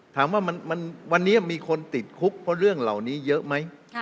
ถามว่าวันนี้มีคนติดคุกเพราะเรื่องเหล่านี้เยอะไหม